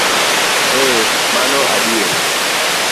Ee, mano adier!